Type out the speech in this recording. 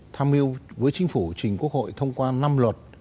tham mưu với chính phủ trình quốc hội thông qua năm luật